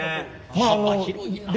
幅広いな。